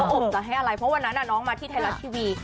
อบจะให้อะไรเพราะวันนั้นน้องมาที่ไทยรัฐทีวี